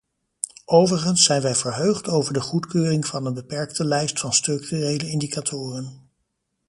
Overigens zijn wij verheugd over de goedkeuring van een beperkte lijst van structurele indicatoren.